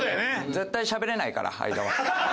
絶対しゃべれないから相田は。